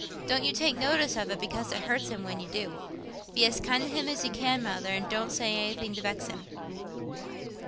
Don't you take notice of it, because it hurts him when you do. Be as kind to him as you can, Mother, and don't say anything to vex him."